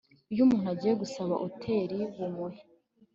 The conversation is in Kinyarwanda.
iyo umuntu agiye gusaba uteri bumuhe